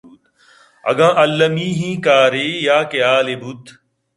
اگاں المیّ ایں کارے یاکہ حالے بوت